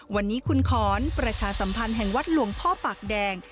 วันนี้คุณขอนประชาสัมพันธ์แห่งวัดหลวงพ่อปากแดง